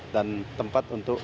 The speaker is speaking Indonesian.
dan tempat untuk